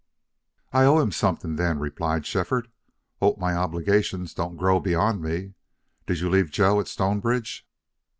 "I owe him something, then," replied Shefford. "Hope my obligations don't grow beyond me. Did you leave Joe at Stonebridge?"